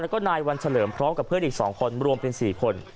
แล้วก็นายวันเฉลิมพร้อมกับเพื่อนอีก๒คนรวมเป็น๔คน